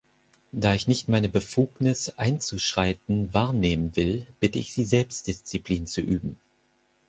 Da ich nicht meine Befugnis einzuschreiten wahrnehmen will, bitte ich Sie, Selbstdisziplin zu üben.